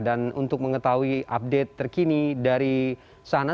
dan untuk mengetahui update terkini dari sana